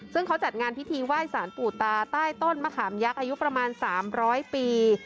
ซึ่งเขาจัดงานพิธีไหว้สารปู่ตาใต้ต้นมะขามยักษ์อายุประมาณ๓๐๐ปี